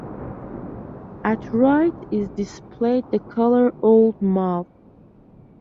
At right is displayed the color old mauve.